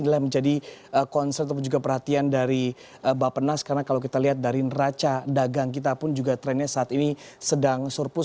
inilah yang menjadi concern atau juga perhatian dari bapak nas karena kalau kita lihat dari raca dagang kita pun juga trennya saat ini sedang surplus